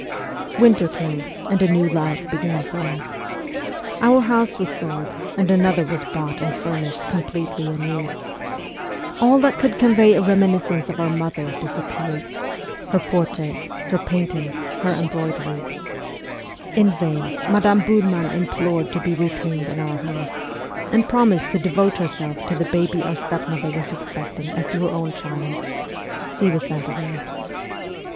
Winter came, and a new life began for us. Our house was sold' and another was bought and furnished completely anew. All that could convey a reminiscence of our mother disappeared her portraits, her paintings, her embroideries. In vain Madame Burman implored to be retained in our house, and promised to devote herself to the baby our stepmother was expecting as to her own child : she was sent away.